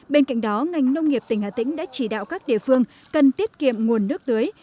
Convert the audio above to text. bên cạnh đó ngành nông nghiệp tỉnh hà tĩnh đã chỉ đạo các địa phương cần tiết kiệm nguồn nước tưới